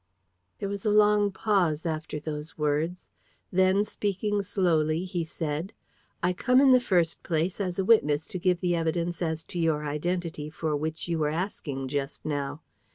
..." There was a long pause after those words. Then, speaking slowly, he said: "I come, in the first place, as a witness to give the evidence as to your identity for which you were asking just now.